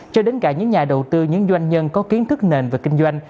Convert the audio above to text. cho đến cả những nhà đầu tư những doanh nhân có kiến thức nền về kinh doanh